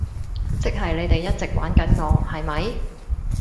即係你哋一直玩緊我，係咪？